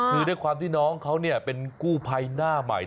คือด้วยความที่น้องเขาเป็นกู้ภัยหน้าใหม่